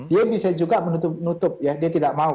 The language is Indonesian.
dia bisa juga menutup dia tidak mau